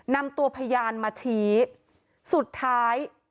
นำตัวพยานมาชี้สุดท้าย